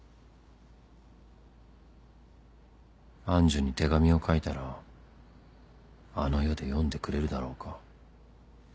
愛珠に手紙を書いたらあの世で読んでくれるだろうか